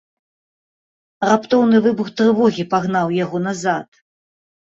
Раптоўны выбух трывогі пагнаў яго назад.